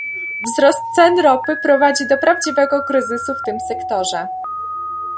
Wzrost cen ropy prowadzi do prawdziwego kryzysu w tym sektorze